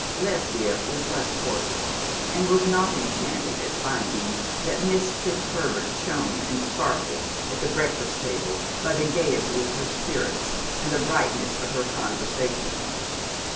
Lesbia was less cordial, and was not enchanted at finding that Miss Fitzherbert shone and sparkled at the breakfast table by the gaiety of her spirits and the brightness of her conversation.